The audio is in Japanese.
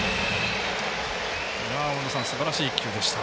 大野さん、すばらしい１球でした。